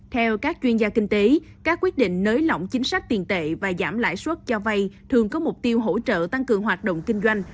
theo các chuyên gia kinh tế các quyết định nới lỏng chính sách tiền tệ và giảm lãi suất cho vay thường có mục tiêu hỗ trợ tăng cường hoạt động kinh doanh